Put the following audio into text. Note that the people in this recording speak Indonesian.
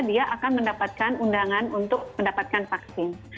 dia akan mendapatkan undangan untuk mendapatkan vaksin